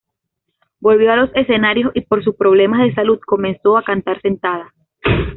Volvió a los escenarios y por sus problemas de salud comenzó a cantar sentada.